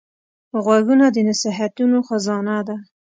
غوږونه د نصیحتونو خزانه ده